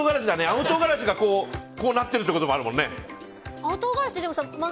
青唐辛子がこうなってるってこともあるもんね。